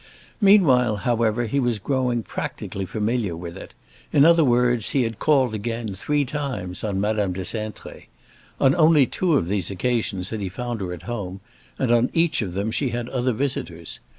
Meanwhile, however, he was growing practically familiar with it; in other words, he had called again, three times, on Madame de Cintré. On only two of these occasions had he found her at home, and on each of them she had other visitors.